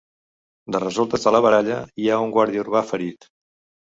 De resultes de la baralla, hi ha un guàrdia urbà ferit.